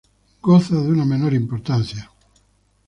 Goza de una menor importancia.